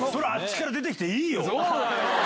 そうだよ！